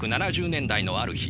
１９７０年代のある日